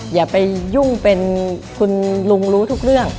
อย่าไปยุ่งเป็นคุณลุงรู้ทุกเรื่อง